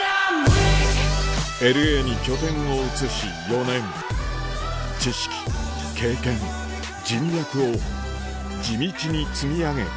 ＬＡに拠点を移し４年知識経験人脈を地道に積み上げ